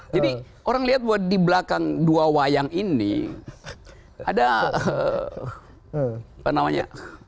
jadi orang lihat bahwa di belakang dua wayang ini ada apa namanya